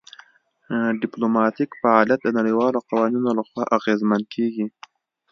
ډیپلوماتیک فعالیت د نړیوالو قوانینو لخوا اغیزمن کیږي